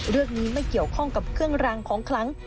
เรื่องนี้ไม่เกี่ยวข้องกับเครื่องรางของคลัง